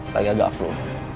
tadi agak aflo